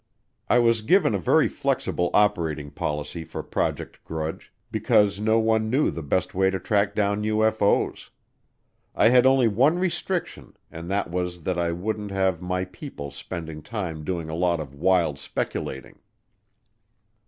I was given a very flexible operating policy for Project Grudge because no one knew the best way to track down UFO's. I had only one restriction and that was that I wouldn't have my people spending time doing a lot of wild speculating.